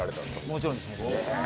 もちろんです。